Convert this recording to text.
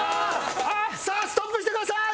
さあストップしてください！